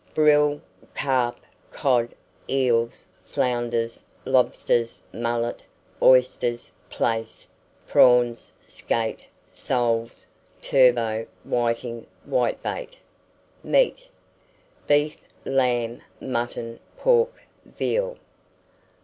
Brill, carp, cod, eels, flounders, lobsters, mullet, oysters, plaice, prawns, skate, soles, turbot, whiting, whitebait. MEAT. Beef, lamb, mutton, pork, veal.